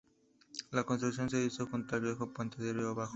La construcción se hizo junto al viejo puente, río abajo.